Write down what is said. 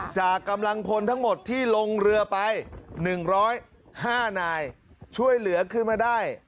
กำลังพลทั้งหมดที่ลงเรือไป๑๐๕นายช่วยเหลือขึ้นมาได้